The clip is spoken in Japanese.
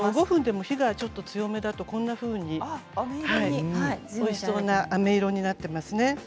５分でも火が強めだとこんなふうにおいしそうなあめ色になっていますね。